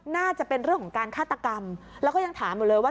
น่าจะเป็นเรื่องของการฆาตกรรมแล้วก็ยังถามอยู่เลยว่า